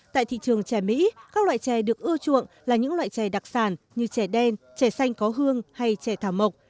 tại thị trường trẻ mỹ các loại chè được ưa chuộng là những loại chè đặc sản như chè đen chè xanh có hương hay chè thảo mộc